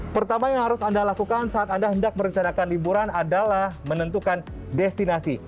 pertama yang harus anda lakukan saat anda hendak merencanakan liburan adalah menentukan destinasi